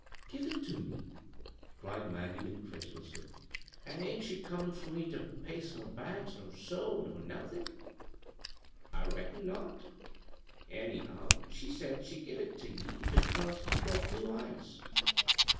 "Give it to me I" exclaimed Maggie, in credulously. " An' ain't she conun' for me ter paste no bags, nor sew, nor nothin' ?"" I reckon not Anyhow, she said she give it to ye 'cause ye've got blue eyes."